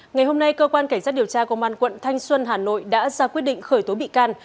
ngày hôm nay cơ quan cảnh sát điều tra công an quận thanh xuân hà nội đã ra quyết định khởi tố bị can